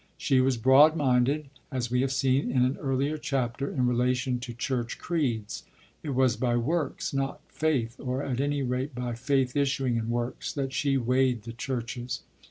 She was broad minded, as we have seen in an earlier chapter, in relation to church creeds. It was by works, not faith, or at any rate by faith issuing in works, that she weighed the churches.